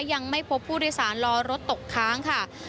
ยังไม่พบผู้โดยสารรอรถตกค้างค่ะ